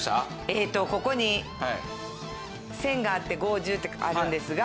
ここに線があって５１５ってあるんですが。